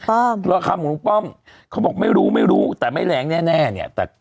ราคาของลุงป้อมเขาบอกไม่รู้ไม่รู้แต่ไม่แรงแน่แน่เนี่ยแต่